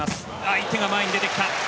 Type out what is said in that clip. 相手が前に出てきた。